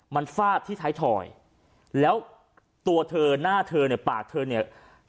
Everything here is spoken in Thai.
มันฟาดที่ท้ายถอยแล้วตัวเธอหน้าเธอเนี่ยปากเธอเนี่ย